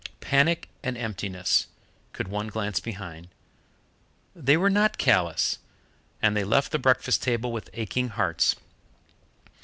Panic and emptiness, could one glance behind. They were not callous, and they left the breakfast table with aching hearts.